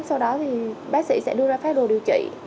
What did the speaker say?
sau đó thì bác sĩ sẽ đưa ra phác đồ điều trị